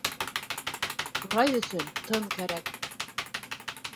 Ҡурай өсөн тын кәрәк